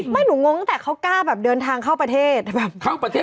หนูงงตั้งแต่เขากล้าแบบเดินทางเข้าประเทศแบบเข้าประเทศ